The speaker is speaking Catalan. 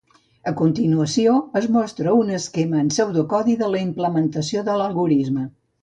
A continuació es mostra un esquema en pseudocodi de la implementació de l'algorisme.